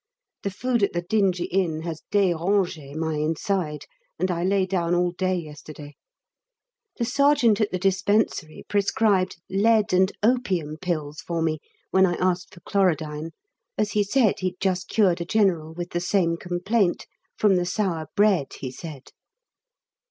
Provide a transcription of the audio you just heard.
The food at the dingy inn has dérangé my inside, and I lay down all day yesterday. The Sergeant at the Dispensary prescribed lead and opium pills for me when I asked for chlorodyne, as he said he'd just cured a General with the same complaint from the sour bread, he said.